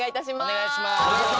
お願いします